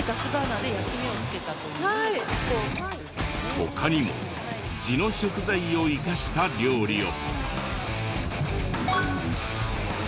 他にも地の食材を生かした料理を。